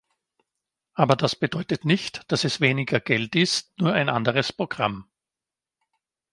Aber das bedeutet nicht, dass es weniger Geld istist nur ein anderes Programm.